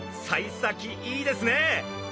さい先いいですね。